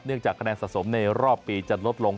จากคะแนนสะสมในรอบปีจะลดลง